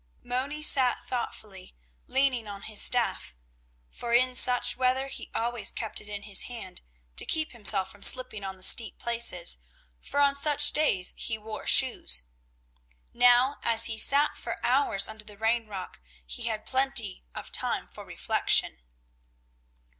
Moni sat thoughtfully, leaning on his staff, for in such weather he always kept it in his hand, to keep himself from slipping on the steep places, for on such days he wore shoes. Now, as he sat for hours under the Rain rock, he had plenty of time for reflection.